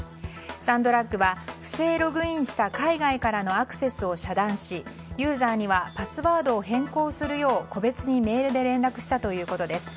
サンドラッグは不正ログインした海外からのアクセスを遮断し、ユーザーにはパスワードを変更するよう個別にメールで連絡したということです。